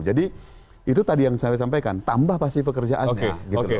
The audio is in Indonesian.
jadi itu tadi yang saya sampaikan tambah pasti pekerjaannya